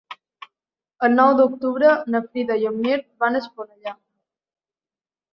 El nou d'octubre na Frida i en Mirt van a Esponellà.